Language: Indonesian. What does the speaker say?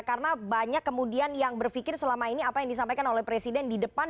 karena banyak kemudian yang berpikir selama ini apa yang disampaikan oleh presiden di depan